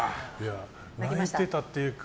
泣いてたっていうか